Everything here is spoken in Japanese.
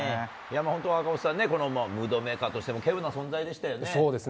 本当、赤星さん、ムードメーカーとしてもけうな存在でしたよね。